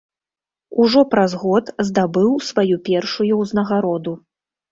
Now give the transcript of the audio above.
Ужо праз год здабыў сваю першую ўзнагароду.